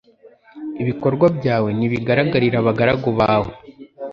Ibikorwa byawe nibigaragarire abagaragu bawe